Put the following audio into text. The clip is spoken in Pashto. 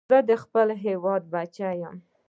زه د خپل هېواد بچی یم